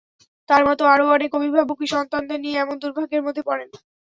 তাঁর মতো, আরও অনেক অভিভাবকই সন্তানদের নিয়ে এমন দুর্ভোগের মধ্যে পড়েন।